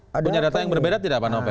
punya data yang berbeda tidak pak novel